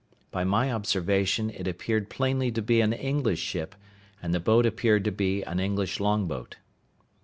By my observation it appeared plainly to be an English ship, and the boat appeared to be an English long boat.